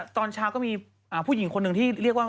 ตอนเช้าก็มีผู้หญิงคนหนึ่งที่เรียกว่า